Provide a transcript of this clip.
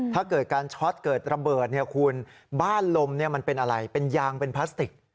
ถ้าเกิดการช็อตเกิดระเบิดเนี่ยคุณบ้านลมมันเป็นอะไรเป็นยางเป็นพลาสติก